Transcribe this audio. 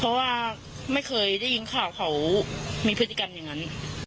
เพราะว่าไม่เคยได้ยินข่าวเขามีพฤติกรรมอย่างนั้น